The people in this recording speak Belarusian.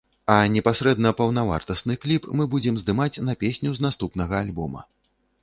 А непасрэдна паўнавартасны кліп мы будзем здымаць на песню з наступнага альбома.